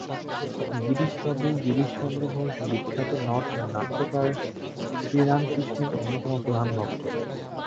গিরিশবাবু গিরিশচন্দ্র ঘোষ, বিখ্যাত নট ও নাট্যকার, শ্রীরামকৃষ্ণের অন্যতম প্রধান ভক্ত।